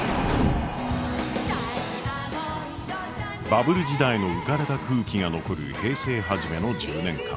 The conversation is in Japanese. バブル時代の浮かれた空気が残る平成初めの１０年間。